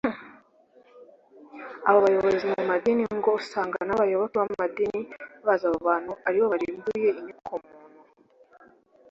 Abo bayobozi mu madini ngo usanga n’abayoboke b’amadini bazi abo bantu aribo barimbuye inyokomuntu